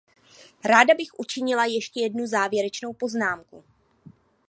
Ráda bych učinila ještě jednu závěrečnou poznámku.